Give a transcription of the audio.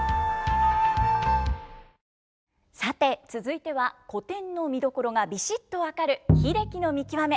さて続いては古典の見どころがビシッと分かる英樹さん